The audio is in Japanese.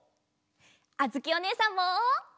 あづきおねえさんも！